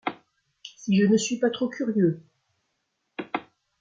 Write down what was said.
si je ne suis pas trop curieux ?